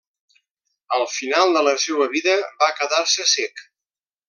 Al final de la seua vida va quedar-se cec.